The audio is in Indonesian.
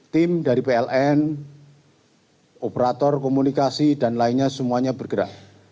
tim dari pln operator komunikasi dan lainnya semuanya bergerak